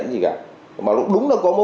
nợ đàn một năm rồi